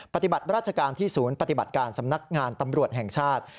ปฏิบัติราชการที่ศูนย์ปฏิบัติการสำนักงานตำรวจแห่งชาติ